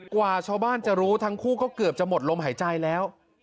กว่าชาวบ้านจะรู้ทั้งคู่ก็เกือบจะหมดลมหายใจแล้ว